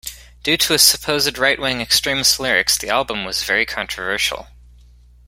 Due to supposed right-wing extremist lyrics, the album was very controversial.